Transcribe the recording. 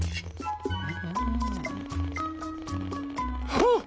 あっ！